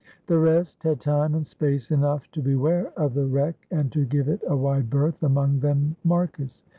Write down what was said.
The rest had time and space enough to beware of the wreck and to give it a wide berth, among them Marcus.